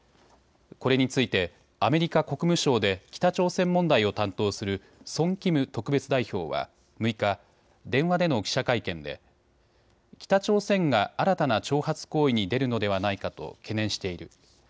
これについてアメリカ国務省で北朝鮮問題を担当するソン・キム特別代表は６日、電話での記者会見で北朝鮮が新たな挑発行為に出るのではないかと懸念している。